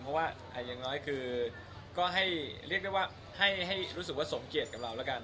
เพราะว่าอย่างน้อยคือก็ให้เรียกได้ว่าให้รู้สึกว่าสมเกียจกับเราแล้วกัน